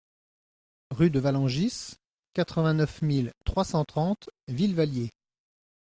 Rue de Vallangis, quatre-vingt-neuf mille trois cent trente Villevallier